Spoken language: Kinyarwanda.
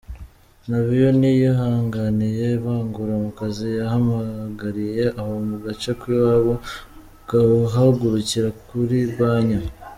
Navio ntiyihanganiye ivangura mu kazi yahamagariye abo mu gace k'iwabo guhagurukira kurirwanya.